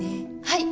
はい。